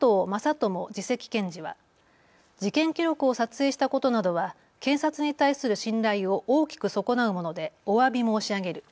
倫次席検事は事件記録を撮影したことなどは検察に対する信頼を大きく損なうものでおわび申し上げる。